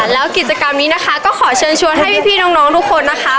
แล้วกิจกรรมนี้นะคะก็ขอเชิญชวนให้พี่น้องทุกคนนะคะ